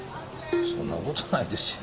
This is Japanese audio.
そんなことないですよ。